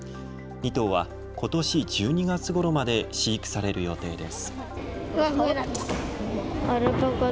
２頭は、ことし１２月ごろまで飼育される予定です。